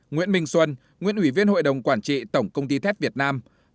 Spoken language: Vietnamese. nguyễn minh xuân nguyễn ủy viên hội đồng quản trị tổng công ty thép việt nam